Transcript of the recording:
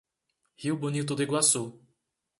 Rio Bonito do Iguaçu